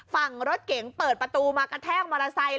ฝั่งรถเก๋งเปิดประตูมากระแทกมอเตอร์ไซค์